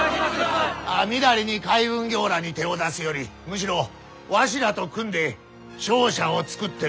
みだりに海運業らあに手を出すよりむしろわしらと組んで商社を作ってみたらどうぜよ。